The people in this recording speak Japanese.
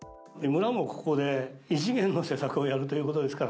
村もここで異次元の施策をやるということですから。